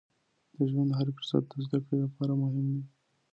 د ژوند هر فرصت د زده کړې لپاره مهم دی.